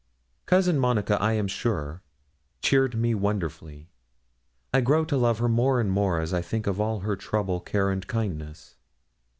Cousin Monica, I am sure, cheered me wonderfully. I grow to love her more and more, as I think of all her trouble, care, and kindness.